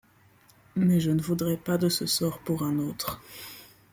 Mais je ne voudrais pas de ce sort pour un autre